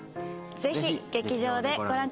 ぜひ劇場でご覧